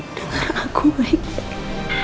dengar aku baik baik